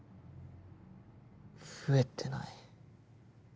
増えてない。